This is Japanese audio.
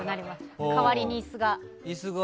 代わりに椅子が。